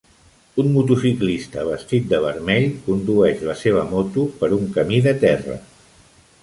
Un motociclista vestit de vermell condueix la seva moto per un camí de terra.